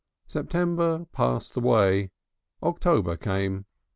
September passed away, October came.